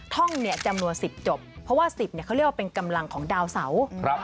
ท่องเนี่ยจำนวน๑๐จบเพราะว่า๑๐เขาเรียกว่าเป็นกำลังของดาวเสา